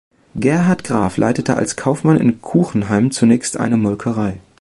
Gerhard Graf leitete als Kaufmann in Kuchenheim zunächst eine Molkerei.